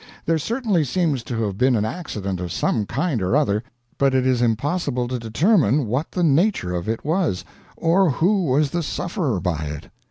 There certainly seems to have been an accident of some kind or other, but it is impossible to determine what the nature of it was, or who was the sufferer by it.